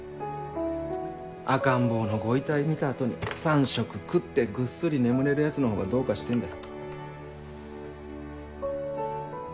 赤ん坊のご遺体見た後に三食食ってぐっすり眠れるヤツのほうがどうかしてんだよ。